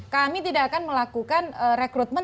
kami tidak akan melakukan rekrutmen